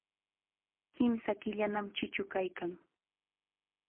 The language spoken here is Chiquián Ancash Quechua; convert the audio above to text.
Kimsa killanam chichu kaykan.